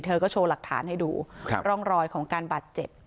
เธอก็โชว์หลักฐานให้ดูร่องรอยของการบาดเจ็บ